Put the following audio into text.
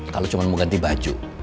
kalau cuma mau ganti baju